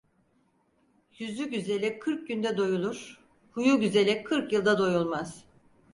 Yüzü güzele kırk günde doyulur; huyu güzele kırk yılda doyulmaz.